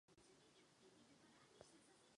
Doufám, že bude mít odpověď.